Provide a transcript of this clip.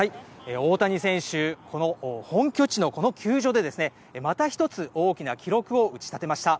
大谷選手、この本拠地のこの球場で、また一つ大きな記録を打ち立てました。